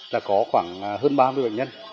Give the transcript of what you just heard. là có khoảng hơn ba mươi bệnh nhân